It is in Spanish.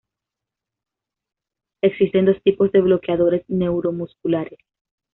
Existen dos tipos de bloqueadores neuromusculares.